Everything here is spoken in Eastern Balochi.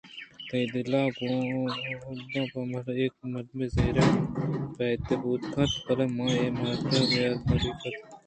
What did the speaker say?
تئی دل ءَ اگاں پہ اے مرد ءَ زہریں بہتامے بوت کنت بلئے من اے مرد ءَ میاری نہ کناں